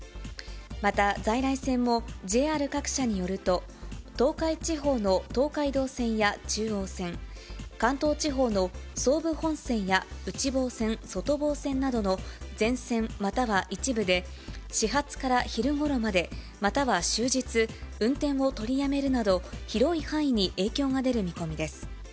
また在来線も、ＪＲ各社によると、東海地方の東海道線や中央線、関東地方の総武本線や内房線、外房線などの全線、または一部で、始発から昼ごろまで、または終日、運転を取りやめるなど、広い範囲に影響が出る見込みです。